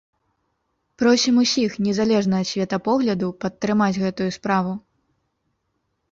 Просім усіх, незалежна ад светапогляду, падтрымаць гэтую справу.